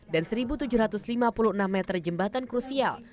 dan satu tujuh ratus lima puluh enam meter jembatan krusial